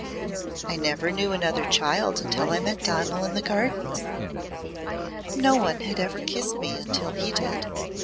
I never knew another child until I met Donal in the Gardens. No one had ever kissed me until he did.